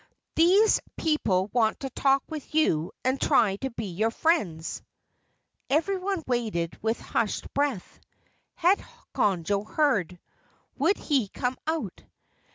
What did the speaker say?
These people want to talk with you and try to be your friends." Everyone waited with hushed breath. Had Conjo heard? Would he come out?